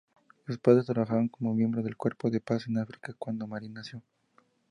Sus padres trabajaban como miembros del Cuerpo de Paz en África cuando Marin nació.